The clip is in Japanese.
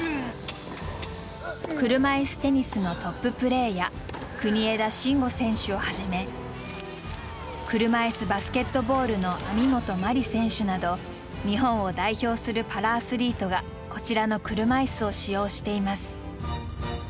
車いすテニスのトッププレーヤー国枝慎吾選手をはじめ車いすバスケットボールの網本麻里選手など日本を代表するパラアスリートがこちらの車いすを使用しています。